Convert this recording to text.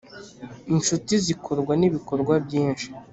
inshuti zikorwa nibikorwa byinshi